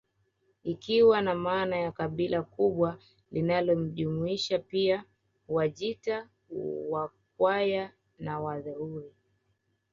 Ikiwa na maana ya kabila kubwa linalojumuisha pia Wajita Wakwaya na Waruri